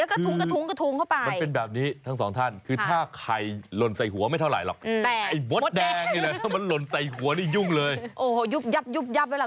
แล้วก็ถุงกระทุ้งกระทุ้งเข้าไป